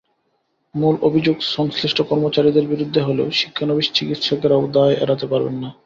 মূল অভিযোগ সংশ্লিষ্ট কর্মচারীদের বিরুদ্ধে হলেও শিক্ষানবিশ চিকিৎসকেরাও দায় এড়াতে পারেন না।